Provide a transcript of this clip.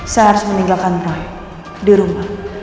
saya harus meninggalkan rai di rumah